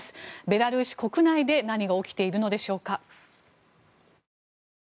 ベラルーシ国内で何が起きているのでしょうか。